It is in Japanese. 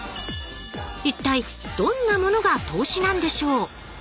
一体どんなものが投資なんでしょう？